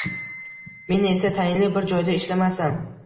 Men esa tayinli bir joyda ishlamasam